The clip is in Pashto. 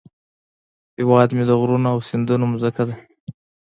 هیواد مې د غرونو او سیندونو زمکه ده